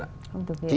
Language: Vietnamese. không thực hiện